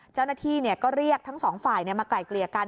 เจ้าหน้าที่ก็เรียกทั้งสองฝ่ายมาไกลเกลี่ยกัน